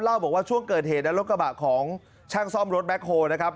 เล่าบอกว่าช่วงเกิดเหตุนั้นรถกระบะของช่างซ่อมรถแบ็คโฮลนะครับ